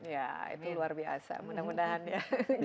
ya itu luar biasa mudah mudahan ya